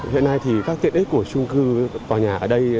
tại đây thì các tiện ích của trung cư tòa nhà ở đây